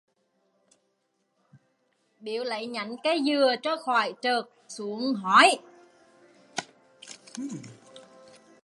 Bíu lấy nhánh cây dừa cho khỏi trợt xuống hói